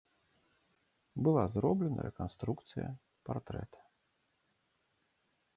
Была зроблена рэканструкцыя партрэта.